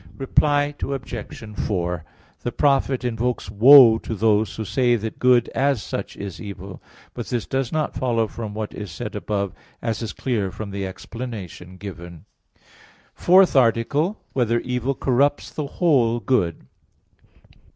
Reply Obj. 4: The prophet invokes woe to those who say that good as such is evil. But this does not follow from what is said above, as is clear from the explanation given. _______________________ FOURTH ARTICLE [I, Q. 48, Art. 4] Whether Evil Corrupts the Whole Good?